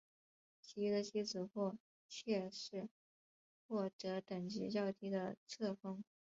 其余的妻子或妾室获得等级较低的册封。